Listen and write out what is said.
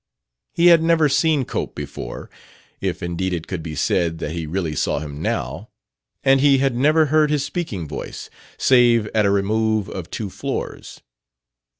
He had never seen Cope before (if indeed it could be said that he really saw him now), and he had never heard his speaking voice save at a remove of two floors.